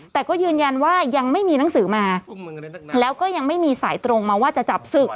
แต่ก็ยืนยันว่ายังไม่มีหนังสือมาแล้วก็ยังไม่มีสายตรงมาว่าจะจับศึก